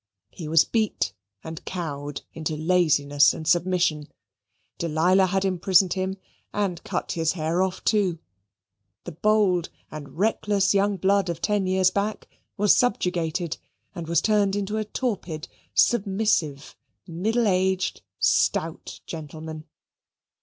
He was beat and cowed into laziness and submission. Delilah had imprisoned him and cut his hair off, too. The bold and reckless young blood of ten years back was subjugated and was turned into a torpid, submissive, middle aged, stout gentleman.